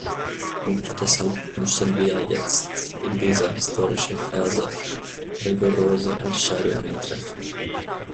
Und deshalb müssen wir jetzt, in dieser historischen Phase, rigorose Entscheidungen treffen.